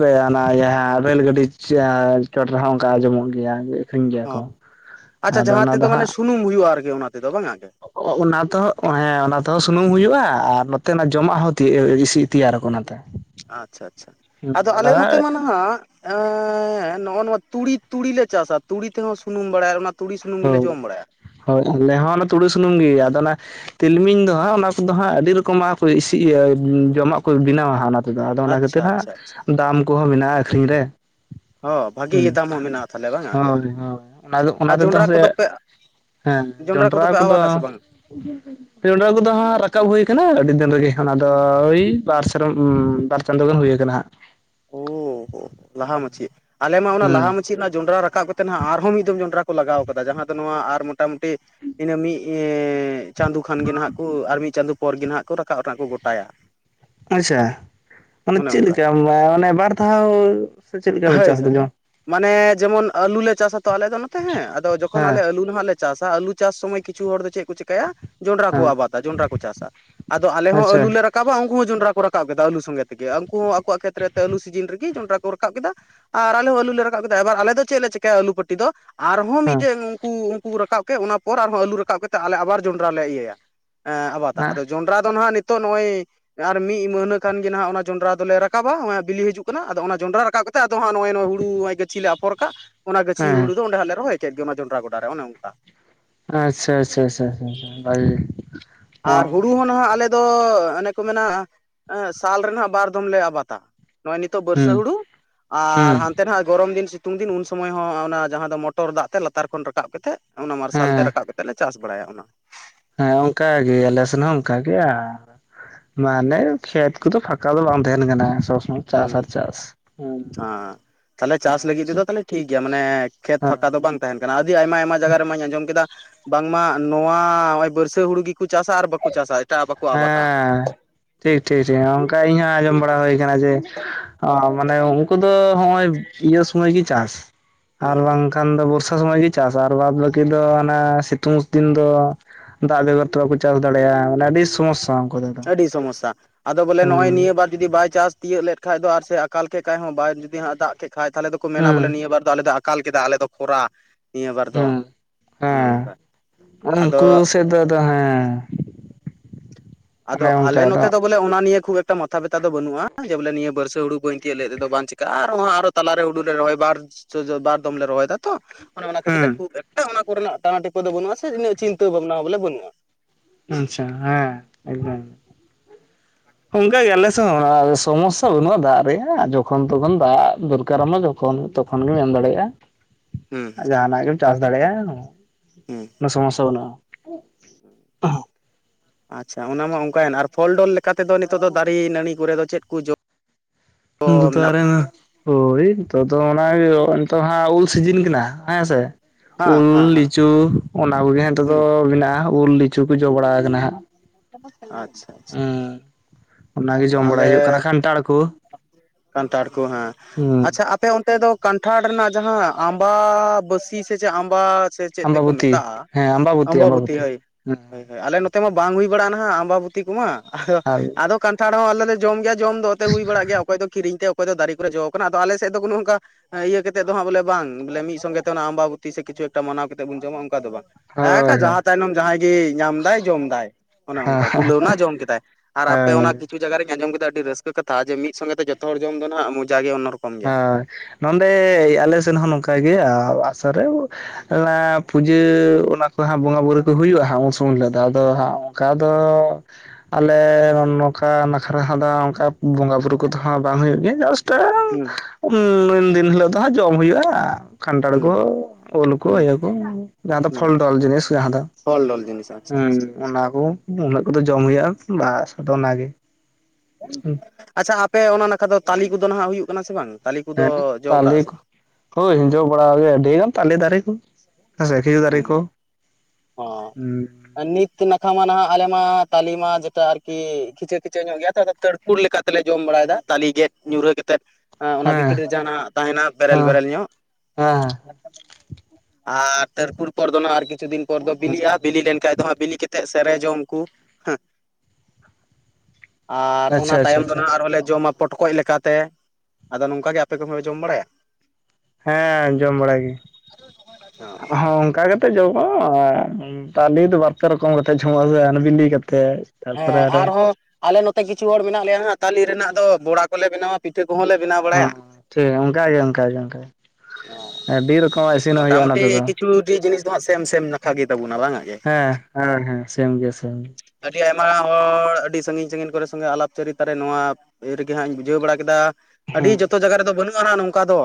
(unintelligible) ᱨᱮᱹᱞ ᱜᱟᱹᱰᱤ ᱪᱚᱴ ᱦᱚᱸ ᱚᱱᱠᱟ ᱟᱸᱚᱢᱚᱜ ᱜᱮᱭᱟ ᱟᱠᱷᱨᱤᱧ ᱜᱮᱭᱟ ᱠᱚ ᱦᱚᱸ ᱟᱪᱪᱷᱟ ᱟᱫᱚ ᱡᱟᱦᱟᱸ ᱚᱱᱟ ᱛᱮᱫᱚ ᱫᱚ ᱢᱟᱱᱮ ᱦᱟᱸᱜ ᱥᱩᱱᱩᱢ ᱦᱩᱭᱩᱜᱼᱟ ᱟᱨᱠᱤ ᱚᱱᱟ ᱛᱮᱫᱚ ᱵᱟᱝᱟ ᱜᱮ (unintelligible) ᱚᱱᱟ ᱛᱚ ᱦᱮ ᱚᱱᱟ ᱛᱚ ᱥᱩᱱᱩᱢ ᱦᱩᱭᱩᱜᱼᱟ ᱟᱨ ᱱᱚᱛᱮᱱᱟᱜ ᱡᱚᱢᱟᱜ ᱦᱚᱸ (unintelligible) ᱛᱮᱭᱟᱨᱚ ᱚᱱᱟᱛᱮ ᱟᱪᱪᱷᱟ ᱟᱪᱪᱷᱟ ᱦᱩᱸ ᱟᱫᱚ ᱟᱞᱮ ᱱᱚᱛᱮ ᱚᱱᱟ ᱢᱟ ᱱᱟᱦᱟᱜ ᱮ ᱱᱚᱜ ᱱᱚᱣᱟ ᱛᱩᱲᱤ ᱛᱩᱲᱤᱞᱮ ᱪᱟᱥᱟ ᱛᱩᱲᱤ ᱛᱮᱦᱚᱸ ᱥᱩᱱᱩᱢ ᱵᱟᱲᱟᱭᱟ ᱚᱱᱟ ᱛᱩᱲᱤ ᱥᱩᱱᱩᱢ ᱜᱮᱞᱮ ᱦᱳᱭ ᱡᱚᱢ ᱵᱟᱲᱟᱭᱟ ᱦᱳᱭ ᱟᱞᱮ ᱦᱚᱸ ᱚᱱᱟ ᱛᱩᱲᱩ ᱥᱩᱱᱩᱢ ᱜᱮ ᱟᱫᱚ ᱚᱱᱟ ᱛᱤᱞᱢᱤᱧ ᱫᱚ ᱦᱟᱸᱜ ᱚᱱᱟ ᱠᱚᱫᱚ ᱦᱟᱸᱜ ᱟᱹᱰᱤ ᱨᱚᱠᱚᱢᱟᱜ ᱤᱥᱤ ᱤᱭᱟᱹ ᱡᱚᱢᱟᱜ ᱠᱚ ᱵᱮᱱᱟᱣᱟ ᱦᱟᱜ ᱚᱱᱟ ᱛᱮᱫᱚ ᱟᱫᱚ ᱚᱱᱟ ᱟᱪᱪᱷᱟ ᱠᱷᱟᱹᱛᱤᱨ ᱦᱟᱸᱜ ᱟᱪᱪᱷᱟ ᱟᱪᱪᱷᱟ ᱫᱟᱢ ᱠᱚᱦᱚᱸ ᱢᱮᱱᱟᱜᱼᱟ ᱟᱠᱷᱨᱤᱧ ᱨᱮ ᱦᱚᱸ ᱵᱷᱟᱹᱜᱤ ᱜᱮ ᱦᱩᱸ ᱫᱟᱢ ᱦᱚᱸ ᱢᱮᱱᱟᱜᱼᱟ ᱛᱟᱦᱚᱞᱮ ᱵᱟᱝ ᱟ ᱜᱮ ᱦᱳᱭ ᱦᱳᱭ ᱚᱱᱟ ᱫᱚ ᱚᱱᱟ ᱟᱨ ᱛᱮᱫᱚ ᱡᱚᱱᱰᱨᱟ ᱥᱮ ᱠᱚᱫᱚ ᱯᱮ ᱦᱮᱸ ᱡᱚᱸᱰᱨᱟ ᱡᱚᱱᱰᱨᱟ ᱯᱮ ᱠᱚᱫᱚ ᱟᱵᱟᱫᱟ ᱥᱮ ᱵᱟᱝ (unintelligible) ᱠᱚᱫᱚ ᱦᱟᱸᱜ ᱨᱟᱠᱟᱵ ᱦᱩᱭ ᱠᱟᱱᱟ ᱟᱹᱰᱤ ᱫᱤᱱ ᱨᱮᱜᱮ ᱚᱱᱟ ᱫᱚ ᱳᱭ ᱵᱟᱨ ᱥᱮᱨᱢ ᱵᱟᱨ ᱪᱟᱸᱫᱳ ᱜᱟᱱ ᱦᱳᱭ ᱠᱟᱱᱟ ᱦᱟᱸᱜ ᱚ ᱞᱟᱦᱟ ᱢᱟᱪᱷᱤ ᱟᱞᱮ ᱢᱟ ᱚᱱᱟ ᱦᱩᱸ ᱞᱟᱦᱟ ᱢᱟᱪᱷᱤ ᱨᱮᱱᱟᱜ ᱡᱚᱸᱰᱨᱟ ᱨᱟᱵ ᱠᱟᱛᱮ ᱱᱟᱜ ᱟᱨᱦᱚᱸ ᱢᱤᱫ ᱫᱚᱢ ᱡᱚᱸᱰᱨᱟ ᱠᱚ ᱞᱟᱜᱟᱣ ᱠᱟᱫᱟ ᱡᱟᱦᱟᱸ ᱫᱚ ᱱᱚᱣᱟ ᱟᱨ ᱢᱚᱴᱟᱢᱩᱴᱤ ᱤᱱᱟᱹ ᱢᱤᱫ ᱮᱸ ᱪᱟᱸᱫᱳ ᱠᱷᱟᱱ ᱜᱮ ᱱᱟᱦᱟᱜ ᱠᱚ ᱟᱨ ᱢᱤᱫ ᱪᱟᱸᱫᱳ ᱯᱚᱨ ᱜᱮ ᱱᱟᱦᱟᱜ ᱠᱚ ᱨᱟᱠᱟᱵ ᱨᱮᱱᱟᱜ ᱠᱚ ᱜᱚᱴᱟᱭᱟ ᱟᱪᱪᱷᱟ ᱢᱟᱱᱮ ᱚᱱᱮ ᱪᱮᱫ ᱚᱱᱠᱟ ᱞᱮᱠᱟ ᱵᱟᱨ ᱫᱷᱟᱣ ᱥᱮ ᱪᱮᱫ ᱞᱮᱠᱟ ᱯᱮ ᱦᱳᱭ ᱦᱳᱭ ᱪᱟᱥ ᱮᱫᱟ ᱡᱚᱱ ᱢᱟᱱᱮ ᱡᱮᱢᱚᱱ ᱟᱹᱞᱩ ᱞᱮ ᱪᱟᱥᱟ ᱛᱚ ᱟᱞᱮ ᱫᱚ ᱱᱚᱛᱮ ᱦᱮᱸ ᱟᱫᱚ ᱡᱚᱠᱷᱚᱱ ᱦᱮᱸ ᱟᱞᱮ ᱟᱞᱩ ᱱᱟᱦᱟᱜᱞᱮ ᱪᱟᱥᱟ ᱟᱹᱞᱩ ᱪᱟᱥ ᱥᱚᱢᱚᱭ ᱠᱤᱪᱷᱩ ᱦᱚᱲ ᱫᱚ ᱪᱮᱫ ᱠᱚ ᱪᱮᱠᱟᱭᱟ ᱡᱚᱸᱰᱨᱟ ᱦᱮᱸ ᱠᱚ ᱟᱵᱟᱫᱟ ᱡᱚᱸᱰᱨᱟ ᱠᱚ ᱪᱟᱥᱟ ᱟᱫᱚ ᱟᱞᱮ ᱦᱚᱸ ᱟᱪᱪᱷᱟ ᱟᱞᱩ ᱞᱮ ᱨᱟᱠᱟᱵᱟ ᱩᱱᱠᱩ ᱦᱚᱸ ᱡᱚᱸᱰᱨᱟ ᱠᱚ ᱨᱟᱠᱟᱵ ᱠᱮᱫᱟ ᱟᱞᱩ ᱥᱚᱝᱜᱮ ᱛᱮᱜᱮ ᱩᱱᱠᱩ ᱦᱚᱸ ᱟᱠᱚᱣᱟᱜ ᱠᱷᱮᱛᱨᱮ ᱟᱹᱞᱩ ᱥᱤᱡᱤᱱ ᱨᱮᱜᱮ ᱡᱚᱸᱰᱨᱟ ᱠᱚ ᱨᱟᱠᱟᱵ ᱠᱮᱫᱟ ᱟᱨ ᱟᱞᱮ ᱦᱚᱸ ᱟᱹᱞᱩ ᱞᱮ ᱨᱟᱠᱟᱵ ᱠᱮᱫᱟ ᱮᱵᱟᱨ ᱟᱞᱮ ᱫᱚ ᱪᱮᱫ ᱞᱮ ᱪᱤᱠᱟᱹᱭᱟ ᱟᱹᱞᱩ ᱯᱟᱹᱴᱤ ᱫᱚ ᱟᱨᱦᱚᱸ ᱦᱮᱸ ᱢᱤᱫᱴᱮᱱ ᱩᱱᱠᱩ ᱩᱱᱠᱩ ᱨᱟᱠᱟᱵ ᱠᱮᱫ ᱚᱱᱟ ᱯᱚᱨ ᱟᱨᱦᱚᱸ ᱟᱹᱞᱩ ᱨᱟᱠᱟᱵ ᱠᱟᱛᱮ ᱟᱞᱮ ᱟᱵᱟᱨ ᱡᱚᱸᱰᱨᱟ ᱞᱮ ᱤᱭᱟᱹᱭᱟ ᱟᱵᱟᱫᱟ ᱦᱮᱸ ᱟᱫᱚ ᱡᱚᱸᱰᱨᱟ ᱫᱚ ᱱᱟᱦᱟᱜ ᱱᱤᱛ ᱛᱚ ᱱᱚᱜᱼᱚᱭ ᱟᱨ ᱢᱤᱫ ᱢᱟᱹᱦᱱᱟᱹ ᱠᱷᱟᱱ ᱜᱮ ᱱᱟᱦᱟᱜ ᱚᱱᱟ ᱡᱚᱸᱰᱨᱟ ᱫᱚᱞᱮ ᱨᱟᱠᱟᱵᱟ ᱵᱤᱞᱤ ᱦᱤᱡᱩᱜ ᱠᱟᱱᱟ ᱟᱫᱚ ᱚᱱᱟ ᱡᱚᱸᱰᱨᱟ ᱨᱟᱠᱟᱵ ᱠᱟᱛᱮ ᱟᱫᱚ ᱦᱟᱸᱜ ᱱᱚᱭ-ᱚᱭ ᱱᱚ ᱦᱩᱲᱩ ᱜᱟᱪᱷᱤ ᱞᱮ ᱟᱯᱷᱚᱨ ᱠᱟᱜᱼᱟ ᱚᱱᱟ ᱜᱟᱹᱪᱷᱤ ᱦᱮᱸ ᱦᱩᱲᱩ ᱫᱚ ᱚᱸᱰᱮ ᱦᱟᱸᱜ ᱞᱮ ᱨᱚᱦᱚᱭ ᱠᱮᱫ ᱜᱮ ᱚᱱᱟ ᱡᱚᱸᱰᱨᱟ ᱜᱚᱰᱟ ᱨᱮ ᱚᱱᱮ ᱚᱱᱠᱟ ᱟᱪᱪᱷᱟ ᱟᱪᱪᱷᱟ ᱟᱪᱪᱷᱟ ᱵᱷᱟᱭᱮ ᱟᱨ ᱦᱩᱲᱩ ᱦᱚᱸ ᱱᱟᱦᱟᱜ ᱟᱞᱮᱫ ᱫᱚ ᱚᱱᱮ ᱠᱚ ᱢᱮᱱᱟ ᱥᱟᱞ ᱨᱮᱱᱟᱜ ᱵᱟᱨ ᱫᱷᱚᱢ ᱞᱮ ᱟᱵᱟᱛᱟ ᱱᱚᱜᱼᱚᱭ ᱱᱤᱛᱚᱜ ᱵᱟᱹᱨᱥᱟᱹ ᱦᱩᱸ ᱦᱩᱲᱩ ᱟᱨ ᱦᱩᱸ ᱦᱟᱱᱛᱮ ᱱᱟ ᱜᱚᱨᱚᱢ ᱫᱤᱱ ᱥᱤᱛᱩᱝ ᱫᱤᱱ ᱩᱱ ᱥᱩᱚᱢᱚᱭ ᱦᱚᱸ ᱚᱱᱟ ᱡᱟᱦᱟᱸ ᱫᱚ ᱢᱚᱴᱚᱨ ᱫᱟᱜ ᱛᱮ ᱞᱟᱛᱟᱨ ᱠᱷᱚᱱ ᱨᱟᱠᱟᱵ ᱠᱟᱛᱮ ᱚᱱᱟ ᱢᱟᱨᱥᱟᱞ ᱛᱮ ᱦᱮᱸ ᱨᱟᱠᱟᱵ ᱠᱟᱛᱮ ᱞᱮ ᱪᱟᱥ ᱵᱟᱲᱟᱭᱟ ᱚᱱᱟ ᱦᱮᱸ ᱚᱱᱠᱟᱜᱮ ᱟᱞᱮ ᱥᱮᱱ ᱦᱚᱸ ᱚᱱᱠᱟᱜᱮ ᱟᱨ ᱢᱟᱱᱮ ᱠᱷᱮᱛ ᱠᱚᱫᱚ ᱯᱷᱟᱠᱟ ᱫᱚ ᱵᱟᱝ ᱛᱟᱦᱮᱱ ᱠᱟᱱᱟ ᱥᱚᱵᱽ ᱥᱚᱢᱚᱭ ᱪᱟᱥ ᱟᱨ ᱪᱟᱥ ᱦᱮᱸ ᱛᱟᱦᱞᱮ ᱪᱟᱥ ᱞᱟᱹᱜᱤᱫ ᱛᱮᱫᱚ ᱛᱟᱦᱮ ᱴᱷᱤᱠ ᱜᱮᱭᱟ ᱢᱟᱱᱮ ᱠᱷᱮᱛ ᱯᱷᱟᱸᱠᱟ ᱫᱚ ᱵᱟᱝ ᱛᱟᱦᱮᱱ ᱠᱟᱱᱟ ᱟᱹᱰᱤ ᱟᱭᱢᱟ ᱟᱭᱢᱟ ᱡᱟᱭᱜᱟ ᱨᱮᱢᱟᱧ ᱟᱸᱡᱚᱢ ᱠᱮᱫᱟ ᱵᱟᱝ ᱢᱟ ᱱᱚᱣᱟ ᱱᱚᱜᱼᱚᱭ ᱵᱟᱹᱨᱥᱟᱹ ᱦᱩᱲᱩ ᱜᱮᱠᱚ ᱪᱟᱥᱟ ᱟᱨ ᱵᱟᱠᱚ ᱪᱟᱥᱟ ᱮᱴᱟᱜ ᱵᱟᱠᱚ ᱟᱵᱟᱛᱟ ᱦᱮᱸ ᱴᱷᱤᱠ ᱴᱷᱤᱠ ᱴᱷᱤᱠ ᱚᱱᱠᱟ ᱤᱧᱦᱚ ᱟᱸᱡᱚᱢ ᱵᱟᱲᱟ ᱦᱩᱭ ᱟᱠᱟᱱᱟ᱾ ᱠᱟᱱᱟ ᱡᱮ ᱢᱟᱱᱮ ᱩᱱᱠᱩ ᱫᱚ ᱱᱚᱜ ᱚᱚᱭ ᱤᱭᱟᱹ ᱥᱩᱢᱚᱭ ᱜᱮ ᱪᱟᱥ ᱟᱨ ᱵᱟᱝᱠᱷᱟᱱ ᱫᱚ ᱵᱚᱨ (unintelligible) ᱥᱚᱢᱚᱭ ᱜᱮ ᱪᱟᱥᱟ ᱟᱨ ᱵᱟᱫᱽ ᱵᱟᱹᱠᱤ ᱫᱚ ᱚᱱᱟ ᱥᱤᱛᱩᱝ ᱫᱤᱱ ᱫᱚ ᱫᱟᱜ ᱵᱮᱜᱚᱨ ᱛᱮ ᱵᱟᱠᱚ ᱪᱟᱥ ᱫᱟᱲᱮᱭᱟᱜᱼᱟ ᱢᱟᱱᱮ ᱟᱹᱰᱤ ᱥᱚᱢᱚᱥᱥᱟ ᱩᱱᱠᱩ ᱫᱚ ᱟᱹᱰᱤ ᱥᱚᱢᱚᱥᱥᱟ ᱟᱫᱚ ᱵᱚᱞᱮ ᱦᱩᱸ ᱱᱚᱜᱼᱚᱭ ᱱᱤᱭᱟᱹᱵᱟᱨ ᱡᱩᱫᱤ ᱵᱟᱭ ᱪᱟᱥ ᱛᱤᱭᱳᱟᱹᱜ ᱞᱮᱫ ᱠᱷᱟᱱᱡ ᱫᱚ ᱟᱨ ᱥᱮ ᱟᱠᱟᱞ ᱠᱮᱫ ᱠᱷᱡ ᱦᱚᱸ ᱵᱟᱭ ᱡᱩᱫᱤ ᱦᱟᱜ ᱫᱟᱜ ᱠᱮᱫ ᱠᱷᱟᱡ ᱛᱟᱦᱮ ᱫᱚᱠᱚ ᱢᱮᱱᱟ ᱦᱩᱸ ᱵᱚᱞᱮ ᱱᱤᱭᱟᱹ ᱵᱟᱨ ᱫᱚ ᱟᱞᱮᱫ ᱫᱚ ᱟᱠᱟ ᱟᱠᱟᱠᱟᱞ ᱠᱮᱫᱟ ᱟᱞᱮ ᱫᱚ ᱠᱷᱚᱨᱟ ᱱᱤᱭᱟᱹ ᱵᱟᱨ ᱫᱚ ᱦᱮᱸ ᱚᱱᱮ ᱚᱱᱠᱟ ᱦᱮᱸ ᱟᱫᱚ ᱩᱱᱠᱩ ᱥᱮᱫ ᱫᱚ ᱟᱫᱚ ᱦᱮᱸ ᱟᱫᱚ ᱚᱱᱮ ᱟᱞᱮ ᱚᱱᱠᱟ ᱟᱫᱚ ᱱᱚᱛᱮ ᱫᱚ ᱵᱚᱞᱮ ᱚᱱᱟᱤᱭᱮ ᱠᱷᱩᱵ ᱮᱠ (unintelligible) ᱢᱟᱚᱛᱷᱟᱵᱟ ᱫᱚ ᱵᱟᱹᱱᱩᱜᱼᱟ ᱡᱮ ᱵᱚᱞᱮ ᱱᱤᱭᱟᱹ ᱵᱟᱹᱨᱥᱟᱹ ᱦᱩᱲᱩ ᱵᱟᱹᱧ ᱛᱤᱭᱟᱹᱜ ᱞᱮᱫ ᱛᱮᱫᱚ ᱵᱟᱝ ᱪᱤᱠᱟᱹᱜᱼᱟ ᱟᱨᱦᱚᱸ ᱟᱨᱚ ᱛᱟᱞᱟᱨᱮ ᱦᱩᱲᱩ ᱨᱮ ᱨᱚᱦᱚᱭ ᱵᱟᱨ (unintelligible) ᱡᱚ ᱵᱟᱨ ᱫᱚᱢ ᱞᱮ ᱨᱚᱦᱚᱭ ᱫᱟ ᱛᱚ ᱚᱱᱟ ᱚᱱᱟ ᱠᱷᱟᱹᱛᱤᱨ ᱛᱮ ᱦᱮᱸ ᱠᱷᱩᱵ ᱮᱠᱴᱟ ᱚᱱᱟ ᱠᱚᱨᱮᱱᱟᱜ ᱴᱟᱱᱟᱴᱤᱯᱟᱹ ᱫᱚ ᱵᱟᱹᱱᱩᱜ-ᱟ ᱥᱮ ᱡᱮᱱᱤᱜ ᱪᱤᱱᱛᱟᱹ ᱵᱷᱟᱵᱽᱱᱟ ᱦᱚᱸ ᱵᱚᱞᱮ ᱵᱟᱹᱱᱩᱜ-ᱟ᱾ ᱟᱸᱪᱪᱷᱟ ᱦᱮᱸ ᱮᱫᱚᱢ ᱚᱱᱠᱟ ᱜᱮ ᱟᱞᱮ ᱥᱮ ᱦᱚᱸ ᱚᱱᱟ ᱥᱚᱢᱚᱥᱥᱟ ᱵᱟᱹᱱᱩᱜ-ᱟ ᱫᱟᱜ ᱨᱮᱭᱟᱜ ᱡᱚᱠᱷᱚᱱ ᱛᱚᱠᱷᱚᱱ ᱫᱟᱜ ᱫᱚᱨᱠᱟᱨᱟᱢᱟ ᱡᱚᱠᱷᱚᱱ ᱛᱚᱠᱷᱚᱱ ᱜᱮᱢ ᱮᱢ ᱫᱟᱲᱮᱭᱟᱜ-ᱟ᱾ ᱦᱩᱸ ᱦᱩᱸ ᱡᱟᱦᱟᱱᱟᱜ ᱜᱮᱢ ᱪᱟᱥ ᱫᱟᱲᱮᱭᱟᱜᱼᱟ ᱦᱚᱸ ᱦᱩᱸ ᱚᱱᱚ ᱥᱚᱢᱚᱥᱥᱟ ᱵᱟᱹᱱᱩᱜ-ᱟ᱾ ᱩᱯ ᱚᱦᱚᱸ ᱟᱪᱪᱷᱟ ᱚᱱᱟ ᱢᱟ ᱚᱱᱠᱟ ᱭᱮᱱ ᱟᱨ ᱯᱷᱚᱞ ᱰᱚᱞ ᱞᱮᱠᱟ ᱛᱮ ᱫᱚ ᱱᱤᱛᱚᱜ ᱫᱚ ᱫᱟᱨᱤ ᱱᱟᱹᱲᱤ ᱠᱩᱨᱮ ᱫᱚ ᱪᱮᱫ ᱠᱩ ᱡᱚ ᱩᱸᱫᱽ ᱢᱮᱱᱟᱜ ᱫᱟᱨᱮ ᱱᱟᱜ ᱦᱳᱭ ᱦᱤᱛᱚᱜ ᱫᱚ ᱚᱱᱟ ᱜᱮ ᱚ ᱱᱤᱛᱚᱜ ᱦᱟᱸᱜ ᱩᱞ ᱥᱤᱡᱤᱱ ᱠᱟᱱᱟ ᱦᱮᱸᱥᱮ ᱦᱮᱸ ᱩᱞ ᱦᱮᱸ ᱦᱮᱸ ᱞᱤᱪᱩ ᱚᱱᱟ ᱠᱚ ᱜᱮ ᱦᱟᱸᱜ ᱦᱤᱛᱚᱜ ᱫᱚ ᱦᱩᱸ ᱢᱤᱱᱟᱜ-ᱟ ᱩᱞ ᱞᱤᱪᱩ ᱠᱩᱡ ᱡᱚ ᱵᱟᱲᱟ ᱠᱟᱱᱟ ᱦᱟᱸᱜ ᱟᱪᱪᱷᱟ ᱟᱪᱪᱷᱟ ᱟᱸ ᱚᱱᱟ ᱜᱮ ᱡᱚᱢ ᱵᱟᱲᱟᱭ ᱦᱩᱭᱩᱜ ᱠᱟᱱᱟ ᱠᱷᱟᱱᱴᱟᱲ ᱠᱩ ᱠᱟᱱᱴᱟᱲ ᱠᱩ ᱦᱮᱸ ᱟᱪᱪᱷᱟ ᱟᱯᱮ ᱚᱱᱛᱮ ᱫᱚ ᱠᱟᱱᱴᱷᱟᱲ ᱨᱮᱱᱟᱜ ᱡᱟᱦᱟᱸ ᱟᱢᱵᱟ ᱵᱟᱹᱥᱤ ᱥᱤ ᱥᱮ ᱪᱮᱫ ᱟᱢᱵᱟ ᱥᱮ ᱪᱮᱫ ᱛᱮ ᱠᱚ ᱟᱢᱵᱟᱵᱚᱛᱤ ᱢᱮᱛᱟᱜ-ᱟ ᱦᱮᱸ ᱟᱢᱵᱟᱵᱚᱛᱤ ᱟᱢᱵᱟᱵᱩᱛᱤ ᱟᱢᱵᱟᱵᱚᱛᱤ ᱦᱳᱭ ᱦᱮᱸ ᱳᱭ ᱦᱳᱭ ᱟᱞᱮ ᱱᱚᱜ ᱛᱮ ᱢᱟ ᱵᱟᱝ ᱦᱩᱭ ᱵᱟᱲᱟᱜ- ᱟ ᱱᱟᱦᱟᱸᱜ ᱟᱢᱵᱟᱵᱩᱛᱤ ᱠᱩᱢᱟ ᱟᱫᱚ ᱟᱨ ᱟᱫᱚ ᱠᱟᱱᱴᱷᱟᱲ ᱦᱚᱸ ᱟᱞᱮ ᱞᱮ ᱡᱚᱢ ᱜᱤᱭᱟ ᱡᱚᱢ ᱫᱚ ᱚᱛᱮᱜ ᱦᱩᱭ ᱵᱟᱲ ᱜᱤᱭᱟ ᱚᱠᱚᱭ ᱫᱚ ᱠᱤᱨᱤᱧ ᱛᱮ ᱚᱠᱚᱭ ᱫᱚ ᱫᱟᱨᱤ ᱠᱚᱨᱮ ᱡᱚ ᱣᱟᱠᱟᱱᱟ ᱟᱫᱚ ᱟᱞᱮ ᱥᱮᱜ ᱫᱚ ᱱᱩᱜ-ᱠᱟ ᱤᱭᱟᱹ ᱠᱟᱛᱮᱜ ᱫᱚ ᱦᱟᱸᱜ ᱵᱚᱞᱮ ᱵᱟᱝ ᱵᱚᱞᱮ ᱢᱤᱫ ᱥᱚᱸᱜᱮ ᱛᱮ ᱚᱱᱟ ᱟᱢᱵᱟᱵᱩᱛᱤ ᱥᱮ ᱠᱤᱪ ᱠᱤᱪᱷᱩ ᱴᱟ ᱢᱟᱱᱟᱣ ᱠᱟᱛᱮᱫ ᱵᱩᱱ ᱡᱚᱢᱟ ᱚᱱᱠᱟ ᱫᱚ ᱵᱟᱝ ᱟ ᱦᱳᱭ ᱠᱷᱟᱡ ᱡᱟᱦᱟᱸ ᱛᱟᱭᱱᱚᱢ ᱡᱟᱦᱟᱸᱭ ᱜᱤᱭ ᱧᱟᱢ ᱫᱟᱭ ᱡᱚᱢ ᱫᱟᱭ᱾ ᱚᱱᱮ ᱦᱳᱭ ᱦᱮᱸ ᱚᱱᱠᱟ ᱠᱩᱞᱟᱹᱣ ᱱᱟ ᱡᱚᱢ ᱠᱤᱫᱟᱭ ᱟᱨ ᱟᱯ ᱟᱯᱮ ᱦᱳᱭ ᱚᱱᱟ ᱠᱤᱪᱩ ᱡᱟᱭᱜᱟ ᱨᱮᱧ ᱟᱸᱡᱚᱢ ᱠᱤᱫᱟ ᱟᱹᱰᱤ ᱨᱟᱹᱥᱠᱟᱹ ᱠᱟᱛᱷᱟ ᱡᱮ ᱢᱤᱫ ᱥᱚᱸᱜᱮ ᱛᱮ ᱡᱚᱛᱚ ᱦᱚᱲ ᱡᱚᱢ ᱫᱚ ᱱᱟᱦᱟᱸᱜ ᱢᱩ ᱦᱮᱸ ᱱᱚᱱᱰᱮ ᱟᱞᱮ ᱥᱮᱱ ᱦᱚᱸ ᱱᱚᱝᱠᱟ ᱜᱮ ᱟ ᱟᱨ ᱟᱥᱟᱲᱨᱮ ᱞᱮᱸ ᱯᱩᱡᱟᱹ ᱚᱱᱟ ᱠᱚ ᱦᱟᱸᱜ ᱵᱚᱸᱜᱟ ᱵᱩᱨᱩ ᱠᱩ ᱦᱩᱭᱩᱜ-ᱟ ᱦᱟᱸᱜ ᱩᱱ ᱥᱩᱢᱩᱭ ᱦᱞᱳᱜ ᱫᱚ ᱟᱫᱚ ᱫᱚ ᱦᱟᱸᱜ ᱚᱱᱠᱟ ᱫᱚ ᱟᱞᱮ ᱱᱚᱝᱠᱟ ᱱᱟᱠᱷᱨᱟ ᱟᱦᱟᱸᱫᱟ ᱚᱱᱠᱟ ᱵᱚᱸᱜᱟ ᱵᱩᱨᱩ ᱠᱚ ᱫᱚ ᱦᱟᱸ ᱵᱟᱝ ᱦᱩᱭᱩᱜ ᱜᱤᱭᱟ ᱡᱚᱥᱴᱟ ᱩᱢ ᱦᱩᱸ ᱩᱱ ᱫᱤᱱ ᱦᱤᱞᱳᱜ ᱫᱚ ᱦᱟᱸᱜ ᱡᱚᱢ ᱦᱩᱭᱩᱜ-ᱟ ᱠᱷᱟᱱᱴᱟᱲ ᱦᱩᱸ ᱠᱚ ᱩᱞ ᱠᱚ ᱦᱩᱸ ᱤᱭᱟᱹ ᱠᱩ ᱡᱟᱦᱟᱸ ᱫᱚ ᱦᱩᱸ ᱯᱷᱚᱞ ᱰᱚᱞ ᱡᱤᱱᱤᱥ ᱡᱟᱦᱟᱸ ᱫᱚ ᱯᱷᱚᱞ ᱰᱚᱞ ᱡᱤᱱᱤᱥ ᱟᱪᱪᱷᱟ ᱦᱩᱸ ᱟᱪᱪᱷᱟ ᱚᱱᱟ ᱠᱩ ᱩᱱᱟᱹᱜ ᱠᱚ ᱫᱚ ᱡᱚᱢ ᱦᱩᱭᱩᱜ-ᱟ ᱵᱟᱥ ᱟᱫᱚ ᱚᱱᱟ ᱜᱮ ᱟᱪᱪᱷᱟ ᱟᱯᱮ ᱚᱱᱟ ᱱᱟᱠᱷᱟ ᱫᱚ ᱛᱟᱞᱤ ᱠᱚ ᱫᱚ ᱱᱟᱦᱟᱸᱜ ᱦᱩᱭᱩᱜ ᱠᱟᱱᱟ ᱥᱮ? ᱵᱟᱝ ᱛᱟᱞᱤ ᱠᱚᱫᱚ ᱦᱮᱸ ᱡᱚ ᱵᱟᱲᱟᱜ ᱛᱟᱞᱤ ᱟᱥᱮ ᱠᱩ ᱵᱟᱝ ᱠᱚ ᱦᱚᱭ ᱡᱚ ᱵᱟᱲᱟ ᱜᱮ ᱟᱹᱰᱤ ᱜᱟᱱ ᱛᱟᱞᱤ ᱫᱟᱨᱮ ᱠᱩ ᱦᱮᱸ ᱥᱮ ᱠᱷᱤᱡᱩ ᱫᱟᱨᱤ ᱠᱚ ᱦᱮᱸ ᱚᱸ ᱱᱤᱛ ᱱᱟᱠᱷᱟ ᱢᱟ ᱱᱟᱦᱟᱜ ᱟᱞᱮ ᱢᱟ ᱛᱟᱞᱤ ᱢᱟ ᱡᱮᱴᱟ ᱟᱨ ᱠᱤ ᱠᱷᱤᱪᱟᱹ ᱠᱷᱤᱪᱟᱹ ᱧᱚᱜ ᱜᱤᱭᱟ ᱛᱟᱹᱲᱠᱩᱲ ᱞᱮᱠᱟ ᱛᱮ ᱞᱮ ᱡᱚᱢ ᱵᱟᱲᱟᱭ ᱫᱟ ᱛᱟᱞᱤ ᱜᱮᱫ ᱧᱩᱨᱟᱹ ᱟᱹ ᱠᱟᱛᱮ ᱚᱸᱻ ᱚᱱᱟ ᱵᱷᱤᱛᱤᱨ ᱦᱮᱸ ᱨᱮ ᱡᱟᱦᱟᱸ ᱱᱟᱜ ᱛᱟᱦᱮᱱᱟ ᱵᱮᱨᱮᱞ ᱦᱮᱸ ᱵᱮᱨᱮᱞ ᱧᱚᱜ ᱦᱮᱸ ᱟᱨ ᱛᱟᱹᱨᱯᱩᱲ ᱯᱚᱨ ᱫᱚ ᱱᱟᱦᱟᱸᱜ ᱟᱨ ᱠᱤᱪᱷᱩ ᱫᱤᱱ ᱯᱚᱨ ᱫᱚ ᱵᱤᱞᱤᱜ-ᱟ ᱵᱤᱞᱤ ᱞᱮᱱ ᱠᱷᱟᱡ ᱫᱚ ᱦᱟᱸᱜ ᱵᱤᱞᱤ ᱠᱮᱛᱮᱥ ᱥᱮᱨᱮ ᱡᱚᱢ ᱠᱩ ᱟᱨ ᱚᱱᱟ ᱟᱪᱪᱷᱟ ᱟᱪᱪᱷᱟ ᱛᱟᱭᱚᱢ ᱫᱚ ᱟᱪᱪᱷᱟ ᱱᱟᱦᱟᱸᱜ ᱟᱨ ᱦᱚᱸ ᱞᱮ ᱡᱚᱢᱟ ᱯᱚᱴᱠᱚᱡ ᱞᱮᱠᱟ ᱛᱮ ᱟᱫᱚ ᱱᱚᱝᱠᱟ ᱜᱮ ᱟᱯᱮ ᱠᱚ ᱦᱚᱸ ᱯᱮ ᱡᱚᱢ ᱵᱟᱲᱟᱭᱟ ᱦᱮᱸ ᱡᱚᱢ ᱵᱟᱲᱟᱭ ᱜᱮ ᱦᱚᱸ ᱚᱱᱠᱟ ᱜᱮᱛᱚ ᱡᱚ ᱚᱣ ᱛᱟᱞᱤ ᱫᱚ ᱵᱟᱨ ᱯᱮ ᱨᱚᱠᱚᱢ ᱠᱟᱛᱮ ᱡᱷᱚᱢᱚᱜ ᱟᱥᱮ ᱦᱟᱱᱮ ᱵᱤᱞᱤ ᱠᱟᱛᱮ ᱦᱮᱸ ᱟᱨᱦᱚᱸ ᱟᱞᱮ ᱱᱚᱛᱮ ᱠᱤᱪᱷᱩ ᱦᱚᱲ ᱢᱮᱱᱟᱜ ᱞᱮᱭᱟ ᱦᱟᱸᱜ ᱛᱟᱞᱤ ᱨᱮᱱᱟᱜ ᱫᱚ ᱵᱚᱲᱟ ᱠᱚᱞᱮ ᱵᱮᱱᱟᱣᱟ ᱯᱤᱴᱷᱟᱹ ᱠᱚᱦᱚᱸ ᱞᱮ ᱵᱮᱱᱟᱣ ᱵᱟᱲᱟᱭᱟ ᱚᱸ ᱴᱷᱮᱭᱟ ᱚᱱᱠᱟ ᱜᱮ ᱚᱱᱠᱟ ᱜᱮ ᱚᱱᱠᱟ ‌ᱜᱮ ᱟᱹᱰᱤ ᱨᱚᱠᱚᱢᱟᱜ ᱤᱥᱤᱱ ᱦᱩᱭᱩᱜ-ᱟ ᱢᱚᱴᱟᱢᱩᱴᱤ ᱱᱚᱛᱮ ᱫᱚ ᱠᱤᱪᱷᱩᱴᱤ ᱡᱤᱱᱤᱥ ᱥᱮᱢ ᱥᱮᱢ‌ ᱱᱟᱠᱷᱟ ᱛᱟᱵᱚᱱᱟ ᱵᱟᱝᱟᱜ ᱜᱮ ᱦᱮᱸ ᱦᱮᱸ ᱦᱮᱸ ᱥᱮᱢ ᱜᱮ ᱥᱮᱢ ᱜᱮ ᱟᱹᱰᱤ ᱟᱭᱢᱟ ᱦᱚᱲ ᱟᱹᱰᱤ ᱥᱟᱺᱜᱤᱧ ᱥᱟᱺᱜᱤᱧ ᱠᱚᱨᱮ ᱥᱚᱸᱜᱮ ᱟᱞᱟᱯ ᱪᱟᱹᱨᱤᱛᱟ ᱨᱮ ᱱᱚᱣᱟ ᱤᱭᱟᱹ ᱨᱮᱜᱮ ᱦᱟᱸᱜ ᱤᱧ ᱵᱩᱡᱷᱟᱹᱣ ᱵᱟᱲᱟ ᱠᱮᱫᱟ ᱜᱮ ᱦᱮᱸ ᱟᱹᱰᱤ ᱡᱚᱛᱚ ᱡᱟᱭᱜᱟ ᱨᱮᱫᱚ ᱵᱟᱹᱱᱩᱜ-ᱟ ᱦᱟᱸᱜ ᱱᱩᱝᱠᱟ ᱫᱚ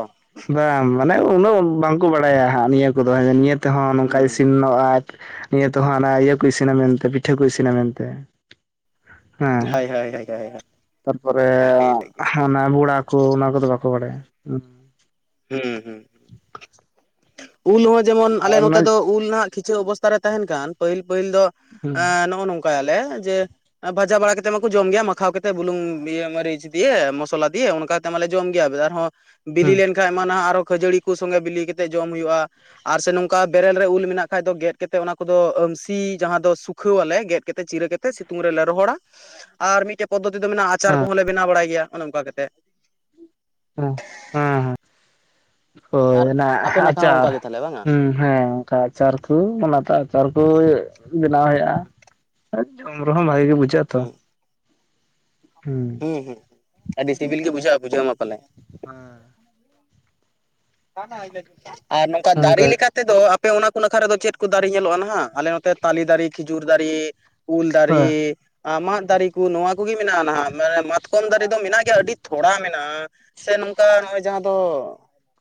ᱵᱟᱝ ᱢᱟᱱᱮ ᱩᱱᱟᱹᱜ ᱵᱟᱝ ᱠᱚ ᱵᱟᱲᱟᱭᱟ ᱦᱟᱸᱜ ᱱᱤᱭᱟᱹ ᱠᱚ ᱫᱚ ᱱᱤᱭᱟᱹ ᱛᱮᱦᱚᱸ ᱱᱚᱝᱠᱟ ᱦᱩᱸ ᱤᱥᱤᱱᱚᱜ-ᱟᱡ ᱱᱤᱭᱟᱹ ᱛᱮᱦᱚᱸ ᱦᱟᱱᱟ ᱤᱭᱟᱹ ᱠᱚ ᱤᱥᱤᱱᱟ ᱢᱮᱱᱛᱮ ᱯᱤᱴᱷᱟᱹ ᱠᱩ ᱤᱥᱤᱱᱟ ᱢᱮᱱᱛᱮ ᱦᱮᱸ ᱦᱳᱭ ᱦᱳᱭ ᱦᱳᱭ ᱦᱳᱭ ᱛᱟᱨᱯᱚᱨᱮ ᱟᱹᱰᱤ ᱴᱟᱜ ᱜᱮ ᱦᱟᱱᱟ ᱵᱚᱲᱟ ᱛᱚ ᱚᱱᱟ ᱠᱚᱫᱚ ᱵᱟᱠᱚ ᱵᱟᱲᱟᱭᱟ ᱩᱸᱻ ᱩᱸ ᱩᱞ ᱦᱚᱸ ᱡᱮᱢᱚᱱ ᱦᱩᱸ ᱟᱞᱮ ᱱᱚᱛᱮ ᱦᱮᱸ ᱫᱚ ᱩᱞ ᱟᱜ ᱠᱤᱪᱷᱩ ᱚᱵᱚᱥᱛᱛᱟ ᱨᱮ ᱛᱟᱦᱮᱱ ᱠᱷᱟᱱ ᱯᱟᱹᱦᱤᱞ ᱯᱟᱹᱦᱤᱞ ᱫᱚ ᱱᱚᱜᱼᱚ ᱱᱚᱝᱠᱟ ᱠᱟᱭᱟᱞᱮ ᱡᱮ ᱵᱷᱟᱡᱟ ᱵᱟᱲᱟ ᱠᱟᱛᱮ ᱢᱟᱠᱚ ᱡᱚᱢ ᱜᱮᱭᱟ ᱢᱟᱠᱷᱟ ᱠᱟᱛᱮᱮᱫ ᱵᱩᱞᱩᱝ ᱤᱭᱟᱹ ᱢᱟᱹᱨᱤᱪ ᱫᱤᱭᱮ ᱢᱚᱥᱞᱟ ᱫᱤᱭᱮ ᱚᱱᱠᱟᱛᱮ ᱢᱟᱞᱮ ᱡᱚᱢ ᱜᱮᱭᱟ ᱟᱨᱦᱚᱸ ᱵᱤᱞᱤ ᱟᱭ ᱢᱟᱱᱟᱜ ᱠᱷᱟᱹᱡᱟᱹᱲᱤ ᱠᱚ ᱥᱚᱸᱜᱮ ᱵᱤᱞᱤ ᱠᱟᱛᱮ ᱡᱚᱢ ᱦᱩᱭᱩᱜᱼᱟ ᱟᱨ ᱥᱮ ᱱᱚᱝᱠᱟ ᱵᱮᱨᱮᱞ ᱨᱮ ᱩᱞ ᱢᱮᱱᱟᱜ ᱠᱷᱟ ᱫᱚ ᱜᱮᱫ ᱠᱟᱛᱮ ᱚᱱᱟᱠᱚ ᱫᱚ ᱟᱢᱥᱤ ᱡᱟᱦᱟᱸ ᱫᱚ ᱥᱩᱠᱷᱟᱹᱣᱟᱞᱮ ᱜᱮᱫ ᱠᱟᱛᱮ ᱪᱤᱨᱟᱹ ᱠᱟᱛᱮ ᱥᱤᱛᱩᱝ ᱨᱮᱞᱮ ᱨᱚᱦᱚᱲᱟ ᱟᱨ ᱢᱤᱫᱴᱮᱡ ᱯᱚᱫᱚᱛᱤ ᱢᱮᱱᱟᱜᱼᱟ ᱟᱪᱟᱨ ᱦᱮᱸ ᱠᱚᱦᱚᱸ ᱞᱮᱮ ᱵᱮᱱᱟᱣ ᱵᱟᱲᱟᱭ ᱜᱮᱭᱟ ᱚᱱᱮ ᱚᱱᱠᱟ ᱠᱟᱛᱮᱫ ᱦᱮᱸ ᱦᱮᱸ ᱦᱳᱭ ᱟᱨ ᱚᱱᱟ ᱟᱯᱮ ᱱᱟᱠᱷᱟ ᱦᱚᱸ ᱟᱪᱟᱨ ᱚᱱᱠᱟ ᱜᱮ ᱛᱟᱦᱚᱞᱮ ᱵᱟᱝᱟ ᱦᱮᱸ ᱚᱱᱠᱟ ᱟᱪᱟᱨ ᱠᱚ ᱚᱱᱟ ᱟᱪᱟᱨ ᱠᱚ ᱦᱳᱭ ᱵᱮᱱᱟᱣ ᱦᱩᱭᱩᱜᱼᱟ ᱡᱚᱢ ᱨᱮᱦᱚᱸ ᱵᱷᱟᱜᱮ ᱜᱮ ᱵᱩᱡᱷᱟᱹᱜ ᱟᱛᱚ ᱦᱩᱸ ᱦᱩᱸ ᱦᱩᱸ ᱟᱰᱤ ᱫᱮᱥᱤ ᱵᱤᱞ ᱜᱮ ᱵᱩᱡᱣᱟ ᱵᱩᱡᱷᱟᱹᱟ ᱯᱟᱞᱮ ᱦᱮᱸ ᱟᱨ ᱱᱚᱝᱠᱟ ᱫᱟᱨᱮ ᱚᱱᱠᱟ ᱞᱮᱠᱟ ᱛᱮᱫᱚ ᱟᱯᱮ ᱚᱱᱟ ᱠᱚ ᱟᱠᱠᱷᱟ ᱨᱮᱫᱚ ᱪᱮᱫ ᱠᱚ ᱫᱟᱨᱮ ᱧᱮᱞᱚᱜᱼᱟ ᱱᱟᱦᱟᱜ ᱟᱞᱮ ᱱᱚᱛᱮ ᱛᱟᱞᱮ ᱫᱟᱨᱮ ᱠᱷᱤᱡᱩᱨ ᱫᱟᱨᱮ ᱩᱞ ᱦᱳᱭ ᱫᱟᱨᱮ ᱢᱟᱫ ᱫᱟᱨᱮ ᱠᱚ ᱱᱚᱣᱟ ᱠᱚᱜᱮ ᱢᱮᱱᱟᱜᱼᱟ ᱱᱟᱦᱟᱜᱟᱱᱮ ᱢᱟᱛᱠᱚᱢ ᱫᱟᱨᱮ ᱫᱚ ᱢᱮᱱᱟᱜ ᱜᱮᱭᱟ ᱟᱹᱰᱤ ᱛᱷᱚᱲᱟ ᱢᱮᱱᱟᱜᱼᱟ ᱥᱮ ᱱᱚᱝᱠᱟ (unintelligible) ᱡᱟᱦᱟᱸ ᱫᱚ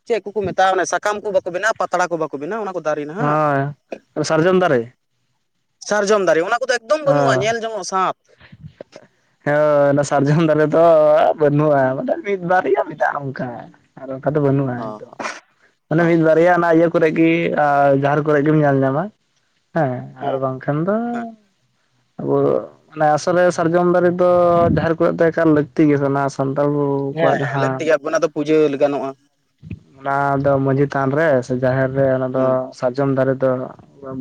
ᱪᱮᱫ ᱠᱚᱠᱚ ᱢᱮᱛᱟᱜᱼᱟ ᱥᱟᱠᱟᱢ ᱠᱚ ᱵᱟᱠᱚ ᱵᱮᱱᱟᱜᱼᱟ ᱯᱟᱛᱲᱟ ᱠᱚ ᱵᱟᱠᱚ ᱵᱮᱱᱟ ᱚᱱᱟ ᱠᱚᱫᱚ ᱦᱳᱭ ᱥᱟᱨᱡᱚᱢ ᱫᱟᱨᱮ ᱥᱟᱨᱡᱚᱢ ᱫᱟᱨᱮ ᱚᱱᱟ ᱠᱚᱫᱚ ᱮᱠᱫᱚᱢ ᱵᱟᱹᱱᱩᱜᱼᱟ ᱦᱚᱸ ᱧᱮᱞ ᱧᱚᱝᱚᱜᱼᱟ ᱥᱟᱯ ᱦᱳᱭ ᱥᱟᱨᱡᱚᱢ ᱫᱟᱨᱮ ᱫᱚᱚ ᱵᱟᱹᱱᱩᱜᱼᱟ ᱢᱟᱱᱮ ᱢᱤᱫ ᱵᱟᱨ ᱜᱮ ᱢᱤᱫ ᱱᱚᱝᱠᱟ ᱟᱨ ᱟᱫᱚ ᱵᱟᱹᱱᱩᱜᱼᱟ ᱦᱚᱸ ᱮᱫᱚᱢ ᱢᱟᱱᱮ ᱦᱚᱸ ᱢᱤᱫ ᱵᱟᱨᱭᱟ ᱚᱱᱟ ᱠᱚᱨᱮ ᱜᱮ ᱟᱨ ᱡᱨ ᱠᱚᱨᱮ ᱜᱮᱢ ᱧᱮᱞ ᱧᱟᱢᱟ ᱦᱮᱸ ᱟᱨ ᱵᱟᱝᱠᱷᱟᱱ ᱫᱚ ᱦᱮᱸ ᱟᱵᱚ ᱢᱟᱱᱮ ᱟᱥᱚᱞ ᱥᱟᱨᱡᱚᱢ ᱫᱟᱨᱮ ᱫᱚ ᱰᱷᱨ ᱠᱚᱨᱮ ᱫᱚ ᱮᱠᱟᱞ ᱞᱟᱹᱠᱛᱤ ᱜᱮ ᱥᱟᱱᱛᱟᱲ ᱠᱚᱣᱟᱜ ᱦᱮᱸ ᱦᱮᱸ ᱡᱟᱦᱟᱸ ᱞᱟᱹᱠᱛᱤ ᱜᱮᱭᱟ ᱚᱱᱟ ᱫᱚ ᱯᱩᱡᱟᱹ ᱜᱟᱱᱚᱜᱼᱟ ᱚᱱᱟ ᱫᱚ ᱢᱟᱡᱷᱤ ᱛᱷᱟᱱ ᱨᱮ ᱥᱮ ᱡᱟᱦᱮᱨ ᱨᱮ ᱚᱱᱟ ᱫᱚ ᱦᱩᱸ ᱥᱟᱨᱡᱚᱢ ᱫᱟᱨᱮ ᱫᱚ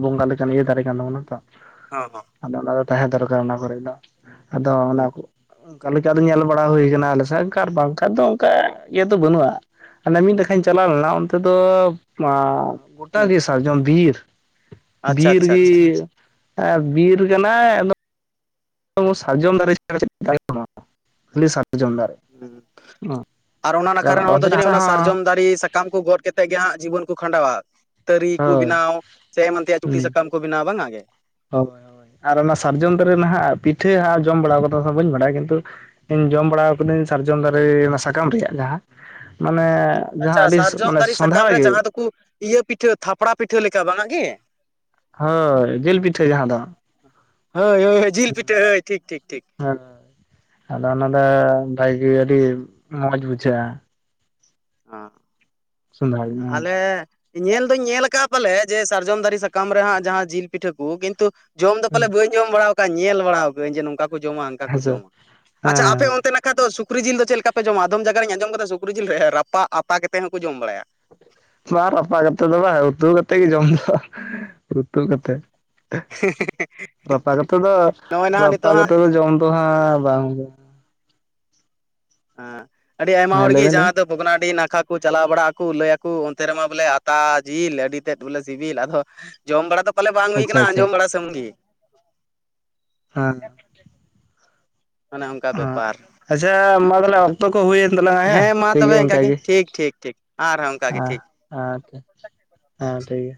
ᱵᱚᱸᱜᱟ ᱞᱮᱠᱟᱱ ᱤᱭᱟᱹ ᱫᱟᱨᱮ ᱠᱟᱱ ᱛᱟᱵᱚᱱᱟ ᱛᱚ ᱦᱚᱸ ᱦᱚᱸ ᱟᱫᱚ ᱚᱱᱟ ᱫᱚ ᱛᱟᱦᱮᱸ ᱫᱚᱨᱠᱟᱨ ᱚᱱᱟ ᱠᱚᱨᱮ ᱫᱚ ᱟᱫᱚ ᱦᱚᱸ ᱚᱱᱟ ᱚᱱᱠᱟ ᱞᱮᱠᱟ ᱫᱚ ᱧᱮᱞ ᱵᱟᱲᱟ ᱦᱩᱭ ᱟᱠᱟᱱᱟ ᱟᱞᱮ ᱥᱠᱟᱨ ᱵᱟᱝᱠᱷᱟᱱ ᱫᱚ ᱚᱱᱠᱟ ᱤᱭᱟᱹ ᱫᱚ ᱵᱟᱹᱱᱩᱜᱼᱟ ᱦᱚᱱᱮ ᱢᱤᱫᱠᱷᱟᱧ ᱪᱟᱞᱟᱣ ᱞᱮᱱᱟ ᱚᱱᱛᱮ ᱫᱚ (unintelligible) ᱜᱚᱴᱟ ᱦᱩᱸ ᱜᱮ ᱥᱟᱨ ᱡᱢᱚᱱ ᱵᱤᱨ ᱟᱪᱪᱷᱟ ᱵᱤᱨ ᱟᱪᱪᱷᱟ ᱟᱪᱪᱷᱟ ᱜᱮ ᱵᱤᱨ ᱠᱟᱱᱟᱭ (unintelligible) ᱥᱟᱨᱡᱚᱢ ᱫᱟᱨᱮ (unintelligible) ᱦᱩᱸ (unintelligible) ᱟᱨ ᱚᱱᱟ ᱱᱟᱠᱷᱟ ᱨᱮᱱ ᱦᱚᱲ ᱫᱚ ᱚᱱᱛᱮᱱᱟᱜ ᱡᱟᱹᱱᱤᱡ ᱦᱟᱥᱟ ᱚᱱᱟ ᱦᱚᱸ ᱥᱟᱨᱡᱚᱢ ᱫᱟᱨᱮ ᱥᱟᱠᱟᱢ ᱠᱚ ᱜᱚᱫ ᱠᱟᱛᱮᱛ ᱜᱮ ᱦᱟᱸᱜ ᱡᱤᱵᱚᱱ ᱠᱚ ᱠᱷᱟᱸᱰᱟᱣᱟ ᱛᱟᱹᱨᱤ ᱠᱚ ᱦᱳᱭ ᱵᱮᱱᱟᱣ ᱥᱮ ᱮᱢᱟᱱ ᱛᱮᱭᱟᱜ ᱪᱩᱴᱤ ᱥᱟᱠᱟᱢ ᱠᱚ ᱵᱮᱱᱟᱣ ᱵᱟᱝ ᱟ ᱜᱮ ᱦᱚᱭ ᱦᱳᱭ ᱟᱨ ᱚᱱᱟ ᱥᱟᱨᱡᱚᱢ ᱫᱟᱨᱮᱮ ᱱᱟᱦ ᱯᱤᱴᱷᱟᱹ ᱦᱟᱜ ᱡᱚᱢ ᱵᱟᱲᱟ ᱠᱟᱫᱟ ᱵᱟᱹᱧ ᱵᱟᱰᱟᱭᱟ ᱠᱤᱱᱛᱩ ᱤᱧ ᱡᱚᱢ ᱵᱟᱲᱟ ᱠᱟᱹᱫᱟᱹᱧ ᱥᱟᱨᱡᱚᱢ ᱫᱟᱨᱮ ᱥᱟᱠᱟᱢ ᱨᱮᱭᱟᱜ ᱡᱟᱦᱟᱸ ᱢᱟᱱᱮ ᱡᱟᱦᱟᱸ ᱟᱪᱪᱷᱟ ᱟᱹᱰᱤ ᱥᱟᱨᱡᱚᱢ ᱢᱟᱱᱮ ᱫᱟᱨᱮ ᱥᱟᱠᱟᱢ ᱥᱚᱸᱫᱷᱟᱲ ᱨᱮ ᱜᱮ ᱡᱟᱦᱟᱸ ᱫᱚᱠᱚ ᱤᱭᱟᱹ ᱯᱤᱴᱷᱟᱹ ᱛᱷᱟᱯᱲᱟ ᱯᱤᱴᱷᱟᱹ ᱞᱮᱠᱟ ᱵᱟᱝ ᱜᱮ ᱦᱳᱭ ᱡᱤᱞ ᱯᱤᱴᱷᱟᱹ ᱡᱟᱦᱟᱸ ᱫᱚ ᱦᱳᱭ ᱦᱳᱭ ᱡᱤᱞ ᱯᱤᱴᱟᱹ ᱦᱳᱭ ᱴᱷᱤᱠ ᱴᱷᱤᱠ ᱴᱷᱤᱠ ᱦᱮᱸ ᱟᱫᱚ ᱚᱱᱟ ᱫᱚ ᱵᱷᱟᱜᱮ ᱟᱹᱰᱤ ᱢᱚᱸᱡᱽ ᱵᱩᱡᱷᱟᱹᱜᱼᱟ᱾ ᱦᱚᱸ ᱟᱞᱮ (unintelligible) ᱧᱮᱞ ᱫᱩᱧ ᱧᱮᱞ ᱟᱠᱟᱫᱼᱟ ᱯᱟᱞᱮ ᱡᱮ ᱥᱟᱨᱡᱚᱢ ᱫᱟᱨᱮ ᱥᱟᱠᱟᱢ ᱨᱮᱦᱟᱸᱜ ᱡᱟᱦᱟᱸ ᱡᱤᱞ ᱯᱤᱴᱷᱟᱹ ᱠᱚ ᱠᱤᱱᱛᱩ ᱡᱚᱢ ᱫᱚ ᱯᱟᱞᱮ ᱵᱟᱹᱧ ᱡᱚᱢ ᱵᱟᱲᱟᱟᱣ ᱟᱠᱟᱫᱼᱟ ᱧᱮᱞ ᱵᱟᱲᱟᱟᱣ ᱟᱠᱟᱫ ᱟᱹᱧ ᱡᱮ ᱱᱚᱝᱠᱟ ᱡᱚᱢᱟ ᱚᱱᱠᱟ ᱠᱚ ᱦᱮᱸᱥᱮ ᱡᱚᱢᱟ ᱟᱪᱪᱷᱟ ᱟᱯᱮ ᱦᱮᱸ ᱚᱱᱛᱮ ᱱᱟᱠᱷᱟ ᱫᱚ ᱥᱩᱠ ᱥᱩᱠᱨᱤ ᱡᱤᱞ ᱫᱚ ᱪᱮᱫ ᱞᱮᱠᱟ ᱯᱮ ᱡᱚᱢᱟ ᱟᱫᱚᱢ ᱡᱟᱭᱜᱟ ᱨᱮᱧ ᱟᱡᱚᱢᱫᱟ ᱥᱩᱠᱨᱤ ᱡᱤᱞ ᱨᱮ ᱨᱟᱯᱟᱜ ᱟᱛᱟ ᱠᱟᱛᱮᱮᱫ ᱦᱚᱸᱠᱚ ᱡᱚᱢ ᱵᱟᱲᱟᱭᱟ ᱵᱟᱝ ᱨᱟᱯᱟ ᱠᱟᱛᱮᱮᱫ ᱫᱚ ᱵᱟᱝ ᱩᱛᱩ ᱠᱟᱛᱮ ᱜᱮ ᱡᱚᱢ ᱫᱚ ᱩᱛᱩ ᱠᱟᱛᱮ ᱨᱟᱯᱟ ᱠᱟᱛᱮ ᱫᱚ ᱱᱚᱜᱼᱚᱭ ᱱᱟᱦᱟᱜ ᱨᱟᱯᱟ ᱱᱤᱛᱚᱜ ᱠᱟᱛᱮ ᱫᱚ ᱡᱚᱢ ᱫᱚ ᱦᱟᱸᱜ ᱵᱟᱝ ᱦᱮᱸ ᱟᱹᱰᱤ ᱟᱭᱢᱟ ᱦᱮᱸ ᱞᱟᱹᱭ ᱦᱚᱲᱜᱮ ᱵᱮᱱ ᱞᱟᱹᱭ ᱡᱟᱦᱟᱸ ᱵᱮᱱ ᱫᱚ ᱵᱷᱚᱜᱽᱱᱟᱰᱤ ᱱᱟ ᱯᱷᱟ ᱠᱚ ᱪᱟᱞᱟᱣ ᱵᱟᱲᱟᱜ ᱟᱠᱚ ᱞᱟᱹᱭᱟᱚ ᱚᱱᱛᱮ ᱨᱮᱢᱟ ᱵᱚᱞᱮ ᱟᱛᱟ ᱡᱤᱞ ᱟᱹᱰᱤ ᱛᱮᱫ ᱵᱚᱞᱮ ᱥᱤᱵᱤᱞ ᱟᱫᱚ ᱡᱚᱢ ᱵᱟᱲᱟ ᱫᱚ ᱯᱟᱞᱮ ᱵᱟᱝ ᱦᱩᱭ ᱟᱪᱪᱷᱟ ᱠᱟᱱᱟ ᱟᱪᱪᱷᱟ ᱟᱸᱡᱚᱢ ᱵᱟᱲᱟ ᱥᱩᱢᱩᱝ ᱜᱤ ᱦᱮᱸ ᱚᱱᱮ ᱚᱱᱠᱟ ᱚ ᱵᱮᱯᱟᱨ ᱟᱪᱪᱷᱟ ᱢᱟ ᱛᱟᱦᱚᱞᱮ ᱚᱠᱛᱚ ᱦᱩᱭᱮᱱ ᱛᱟᱞᱟᱝ ᱦᱮᱸ ᱢᱟ ᱴᱷᱤᱠ ᱛᱚᱵᱮ ᱜᱮᱭᱟ ᱤᱱᱠ ᱤᱱᱠᱟ ᱜᱮ ᱴᱷᱤᱠ ᱴᱷᱤᱠ ᱴᱷᱤᱠ ᱟᱨᱦᱚᱸ ᱚᱱᱠᱟ ᱜᱮ ᱦᱮᱸ ᱴᱷᱤᱠ ᱦᱮ ᱴᱷᱤᱠ ᱦᱮᱸ ᱴᱷᱤᱠ ᱜᱮᱭᱟ᱾